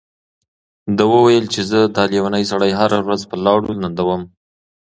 ده وويل چې زه دا لېونی سړی هره ورځ په لاړو لندوم.